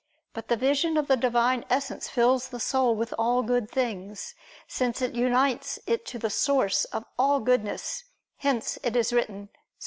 But the vision of the Divine Essence fills the soul with all good things, since it unites it to the source of all goodness; hence it is written (Ps.